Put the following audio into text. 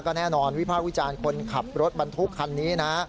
แน่นอนวิภาควิจารณ์คนขับรถบรรทุกคันนี้นะ